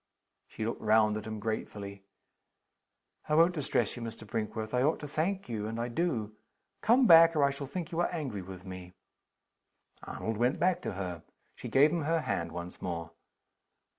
She looked round at him gratefully. "I won't distress you, Mr. Brinkworth. I ought to thank you and I do. Come back or I shall think you are angry with me." Arnold went back to her. She gave him her hand once more.